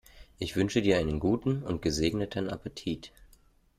Ich wünsche dir einen guten und gesegneten Appetit!